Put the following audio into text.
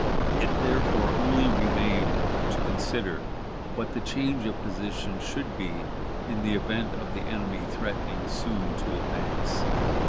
It, therefore, only remained to consider what change of position should be made in the event of the enemy threatening soon to advance.